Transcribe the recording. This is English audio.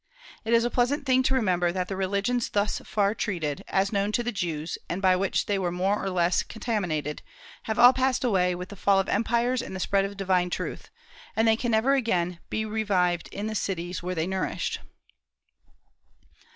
It is a pleasant thing to remember that the religions thus far treated, as known to the Jews, and by which they were more or less contaminated, have all passed away with the fall of empires and the spread of divine truth; and they never again can be revived in the countries where they nourished.